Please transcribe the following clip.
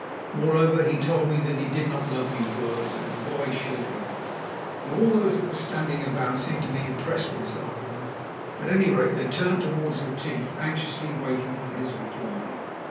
Moreover, he told me that he did not love you Boers, and why should he?" Now, all those who were standing about seemed to be impressed with this argument. At any rate, they turned towards Retief, anxiously waiting for his reply.